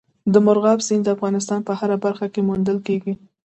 مورغاب سیند د افغانستان په هره برخه کې موندل کېږي.